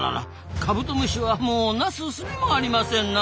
カブトムシはもうなすすべもありませんな。